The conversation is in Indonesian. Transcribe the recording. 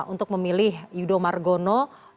untuk memilih yudho margono